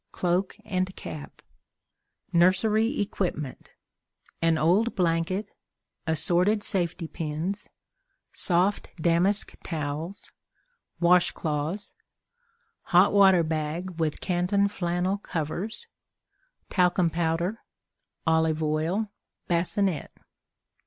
Cloak and Cap. Nursery Equipment. An old Blanket. Assorted Safety Pins. Soft Damask Towels. Wash Cloths. Hot Water Bag with Canton Flannel Covers. Talcum Powder. Olive Oil. Bassinet.